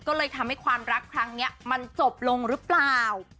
ก็เลยทำให้ความรักครั้งนี้มันจบลงหรือเปล่า